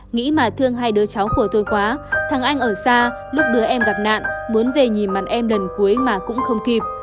nghĩ mà thương hai đứa cháu của tôi quá thăng anh ở xa lúc đứa em gặp nạn muốn về nhìn mặt em lần cuối mà cũng không kịp